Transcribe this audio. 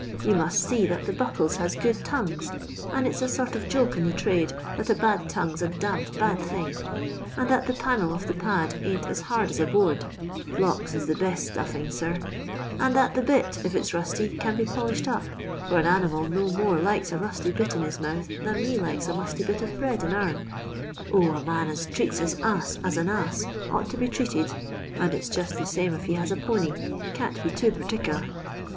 You must see that the buckles has good tongues — and it 's a sort of joke in the trade that a bad tongue 's a d d bad thing — and tliat the pannel of the pad ain't as hard as a board (flocks is the best stuffing, sir), and that the bit, if it 's rusty, can be polished up, for a animal no more likes a rusty bit in bis mouth than we likes a musty bit of bread iu our'n. 0, a man as treats his ass as a ass ought to be treated— and it's just the same if he has a pony— can't be too perticler.